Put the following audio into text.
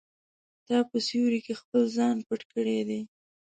تا په سیوري کې خپل ځان پټ کړی دی.